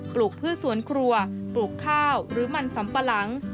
ลูกพืชสวนครัวปลูกข้าวหรือมันสำปะหลัง